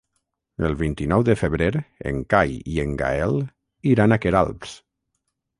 El vint-i-nou de febrer en Cai i en Gaël iran a Queralbs.